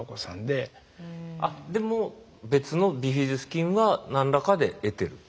でも別のビフィズス菌は何らかで得てる。